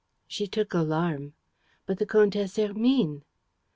She took alarm: "But the Comtesse Hermine?"